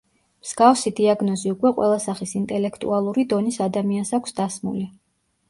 მსგავსი დიაგნოზი უკვე ყველა სახის ინტელექტუალური დონის ადამიანს აქვს დასმული.